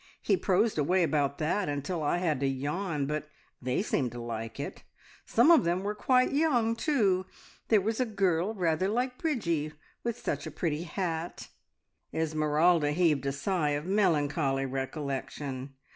He prosed away about that until I had to yawn, but they seemed to like it. Some of them were quite young too. There was a girl rather like Bridgie, with such a pretty hat!" Esmeralda heaved a sigh of melancholy recollection.